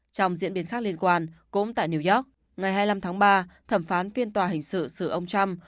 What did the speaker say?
trong diễn biến khác liên quan cũng tại new york ngày hai mươi năm tháng ba thẩm phán phiên tòa hình sự xử ông trump